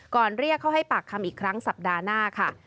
เรียกเขาให้ปากคำอีกครั้งสัปดาห์หน้าค่ะ